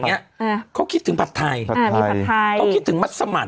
เขาคิดถึงผัดไทยเขาคิดถึงมัสมั่น